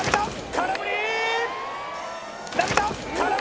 空振り！